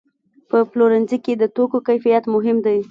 په پلورنځي کې د توکو کیفیت مهم دی.